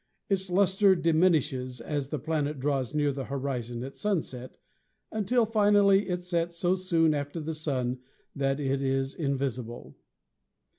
Its luster diminishes as the planet draws near the horizon at sunset, until finally it sets so soon after the Sun that it is invisible.